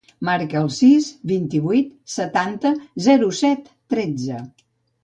Marca el sis, vint-i-vuit, setanta, zero, set, tretze.